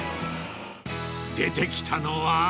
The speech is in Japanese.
出てきたのは。